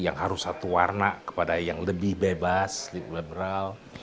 yang harus satu warna kepada yang lebih bebas liberal